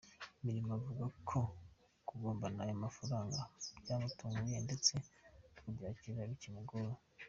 Mirimo avuga ko gutombora aya mafaranga byamutunguye ndetse no kubyakira bikimugoye.